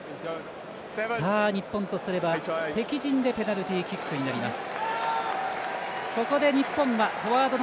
日本とすれば敵陣でペナルティキックになります。